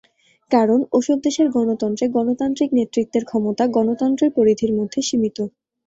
কারণ, ওসব দেশের গণতন্ত্রে গণতান্ত্রিক নেতৃত্বের ক্ষমতা গণতন্ত্রের পরিধির মধ্যে সীমিত।